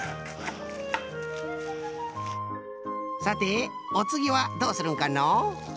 さておつぎはどうするんかのう？